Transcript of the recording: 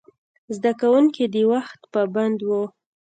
زده کوونکي د وخت پابند وو.